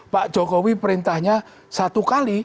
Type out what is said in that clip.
pak jokowi perintahnya satu kali